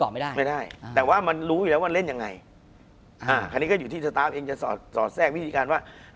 ไม่ได้ไม่ได้แต่ว่ามันรู้อยู่แล้วว่าเล่นยังไงอ่าอันนี้ก็อยู่ที่สตาร์ฟเองจะสอดสอดแทรกวิธีการว่า